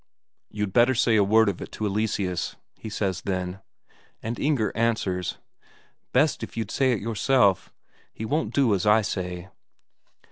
"You'd better say a word of it to Eleseus," he says then. And Inger answers: "Best if you'd say it yourself. He won't do as I say."